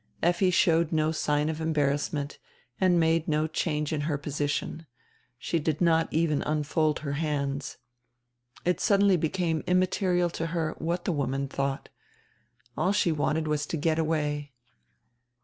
Effi showed no sign of embarrassment and made no change in her posi tion; she did not even unfold her hands. It suddenly be came immaterial to her what die woman thought. All she wanted was to get away.